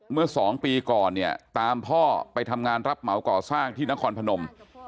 เมื่อ๒ปีก่อนเนี่ยตามพ่อไปทำงานรับเหมาก่อสร้างที่นครพนม